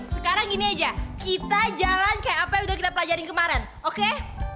sekarang ini aja kita jalan kayak apa yang udah kita pelajari kemarin oke